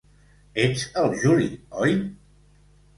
Ets el Juli, oi?